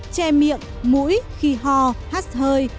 che miệng mũi khi ho hát hơi